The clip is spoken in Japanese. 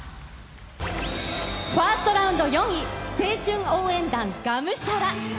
ファーストラウンド４位、青春応援団我無沙羅。